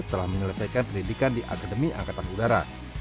telah menyelesaikan pendidikan di akademi angkatan udara